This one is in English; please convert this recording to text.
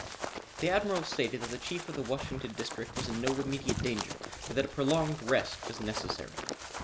The Admiral stated that the Chief of the Washington District was in no immediate danger but that a prolonged rest was necessary.